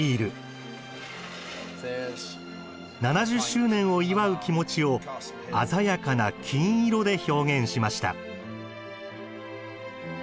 ７０周年を祝う気持ちを鮮やかな金色で表現しました。